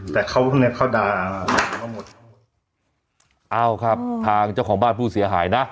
แต่เขาพวกเนี้ยเขาด่ามาหมดเอาครับทางเจ้าของบ้านผู้เสียหายนะ